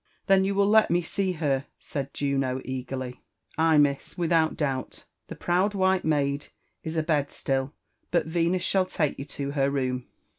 "^ Then you will let me see her," said luno^eagarly. •*• Ay, miss, wtfhout doubt. The proud while masd is a bed stiU, but Venus shall take you to her room."